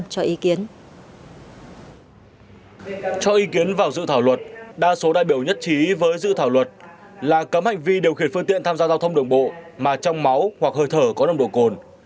cho ý kiến vào dự thảo luật đa số đại biểu nhất trí với dự thảo luật là cấm hành vi điều khiển phương tiện tham gia giao thông đường bộ mà trong máu hoặc hơi thở có nồng độ cồn